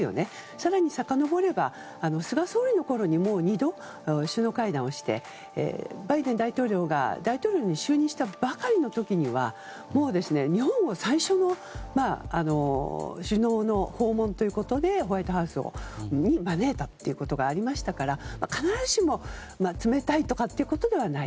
更にさかのぼれば菅総理のころにも２度、首脳会談をしていてバイデン大統領が大統領に就任したばかりの時には日本最初の首脳の訪問ということでホワイトハウスに招いたことがありましたから必ずしも冷たいということではない。